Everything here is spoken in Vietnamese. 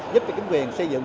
giúp cho chính quyền xây dựng